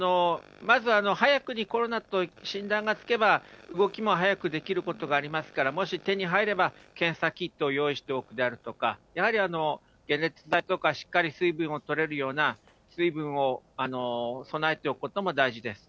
まず早くにコロナと診断がつけば、動きも早くできることがありますから、もし手に入れば、検査キットを用意しておくであるだとか、やはり解熱剤とか、しっかり水分をとれるような、水分を備えておくことも大事です。